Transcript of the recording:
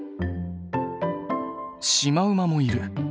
シマウマもいる！